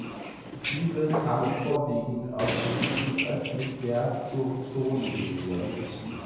Diese kamen vorwiegend aus Gebieten östlich der Curzon-Linie.